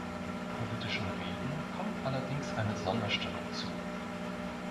Politischen Reden kommt allerdings eine Sonderstellung zu.